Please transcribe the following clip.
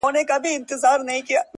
چي پيشو مخي ته راغله برابره؛